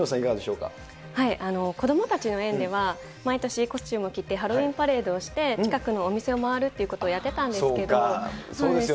子どもたちの園では、毎年コスチュームを着てハロウィーンパレードをして、近くのお店を回るっていうことをやってたんですけど。